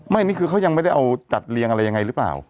นี่คือเขายังไม่ได้เอาจัดเรียงอะไรยังไงหรือเปล่า